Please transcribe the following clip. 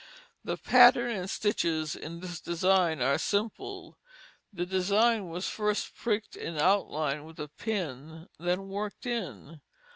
The pattern and stitches in this design are simple; the design was first pricked in outline with a pin, then worked in.